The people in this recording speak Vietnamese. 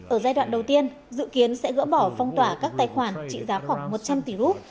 ở giai đoạn đầu tiên dự kiến sẽ gỡ bỏ phong tỏa các tài khoản trị giá khoảng một trăm linh tỷ rút